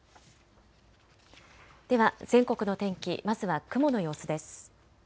では全国の天気、まずは雲の様子です。